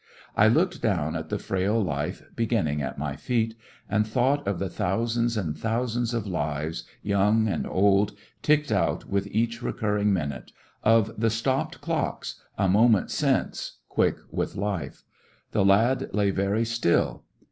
I looked down at the frail life beginning at my feet, and thought of the thousands and thousands of lives, young and old, ticked out with each re curring minute— of the stopped clocks a mo ment since quick with life. The lad lay very still.